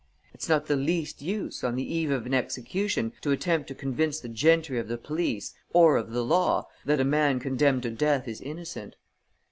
It's not the least use, on the eve of an execution, to attempt to convince the gentry of the police or of the law that a man condemned to death is innocent.